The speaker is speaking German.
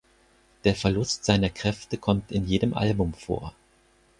Der Verlust seiner Kräfte kommt in jedem Album vor.